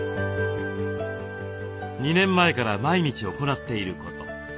２年前から毎日行っていること。